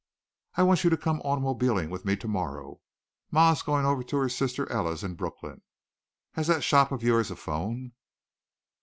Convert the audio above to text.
"I want you to come automobiling with me tomorrow. Ma is going over to her sister Ella's in Brooklyn. Has that shop of yours a phone?"